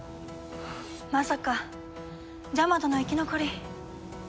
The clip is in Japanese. まさかジャマトの生き残り。